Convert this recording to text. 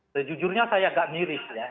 sejujurnya saya agak miris ya